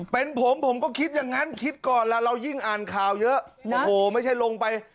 เป็นผมผมก็คิดอย่างนั้นคิดก่อนล่ะเรายิ่งอ่านข่าวเยอะโอ้โหไม่ใช่ลงไป